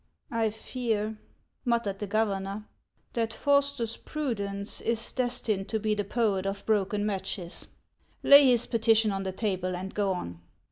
I O v> ' o l fear," muttered the governor, " that Faustus Prudens is destined to be the poet of broken matches. Lay his peti tion on the table, and go on.